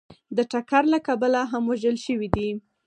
د ټکر له کبله هم وژل شوي دي